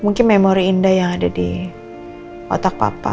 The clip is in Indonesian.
mungkin memori indah yang ada di otak papa